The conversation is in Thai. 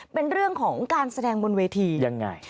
เป็นเรื่องของการแสดงบนเวทียังไง